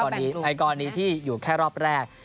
ในกรณีที่อยู่แค่รอบแรก